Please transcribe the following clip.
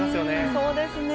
そうですね。